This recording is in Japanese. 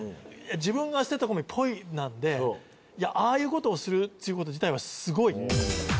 自分が捨てたゴミポイなんでああいうことをするっていうこと自体はすごい。